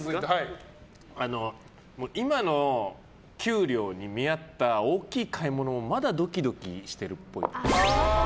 今の給料に見合った大きい買い物をまだドキドキしてるっぽい。